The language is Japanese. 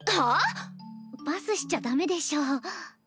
はあ⁉パスしちゃダメでしょ。